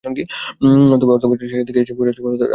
তবে অর্থবছরের শেষের দিকে এসে বোঝা যাবে আমরা কতটুকু পিছিয়ে আছি।